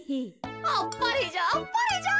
あっぱれじゃあっぱれじゃ。